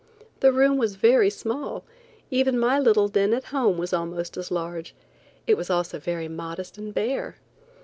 The room was very small; even my little den at home was almost as large. It was also very modest and bare.